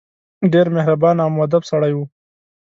ډېر مهربان او موءدب سړی وو.